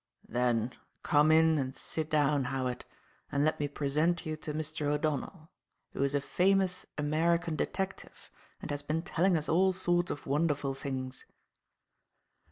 "Then, come in and sit down, Howard, and let me present you to Mr. O'Donnell, who is a famous American detective and has been telling us all sorts of wonderful things."